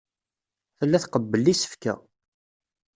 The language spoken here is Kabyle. Tella tqebbel isefka.